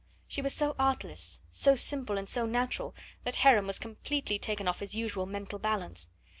She was so artless, so simple, and so natural that Heron was completely taken off his usual mental balance.